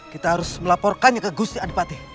kita harus melaporkannya ke gusti adipati